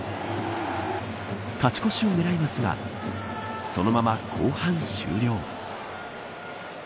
勝ち越しを狙いますがそのまま後半終了。